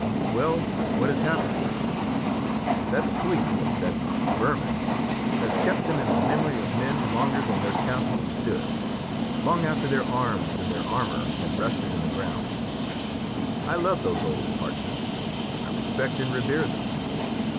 Well, what has happened? That flea, that vermin, has kept them in the memory of men longer than their castles stood, long after their arms and their armour had rusted in the ground. I love those old parchments. I respect and revere them.